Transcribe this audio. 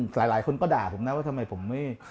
หลายคนก็ด่าผมนะว่าทำไมผมไม่